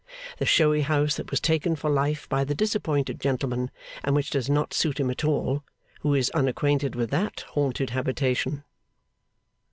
The showy house that was taken for life by the disappointed gentleman, and which does not suit him at all who is unacquainted with that haunted habitation?